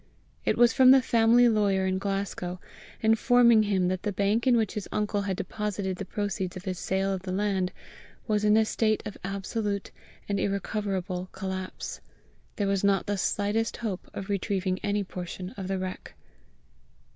It was from the family lawyer in Glasgow, informing him that the bank in which his uncle had deposited the proceeds of his sale of the land, was in a state of absolute and irrecoverable collapse; there was not the slightest hope of retrieving any portion of the wreck.